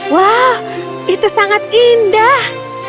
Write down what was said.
wow itu sangat indah